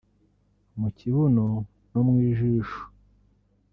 mu kibuno no mu jisho